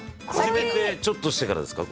「始めてちょっとしてからですか？